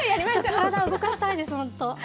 体を動かしたいです、本当。